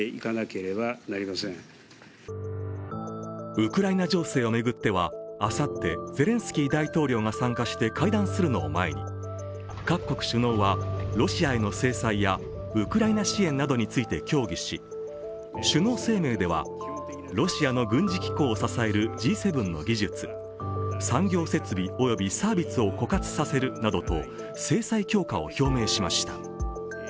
ウクライナ情勢を巡ってはあさってゼレンスキー大統領が参加して会談するのを前に各国首脳はロシアへの制裁やウクライナ支援などについて協議し首脳声明ではロシアの軍事機構を支えるＧ７の技術、産業設備およびサービスを枯渇させるなどと制裁強化を表明しました。